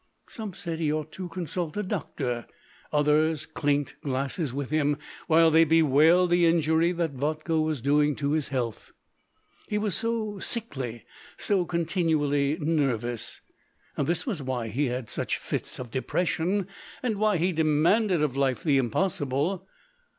Some said that he ought to consult a doctor, others clinked glasses with him, while they bewailed the injury that vodka was doing to his health. He was so sickly, so continually nervous. This was why he had such fits of depression, and why he demanded of life the impossible.